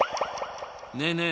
ねえねえ